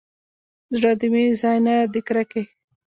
زړه د مينې ځاى دى نه د کرکې.